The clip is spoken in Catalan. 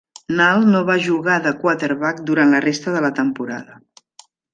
Nall no va jugar de quarterback durant la resta de la temporada.